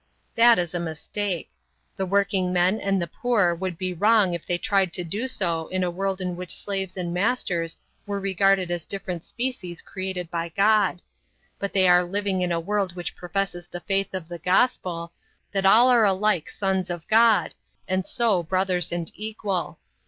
That is a mistake. The workingmen and the poor would be wrong if they tried to do so in a world in which slaves and masters were regarded as different species created by God; but they are living in a world which professes the faith of the Gospel, that all are alike sons of God, and so brothers and equal.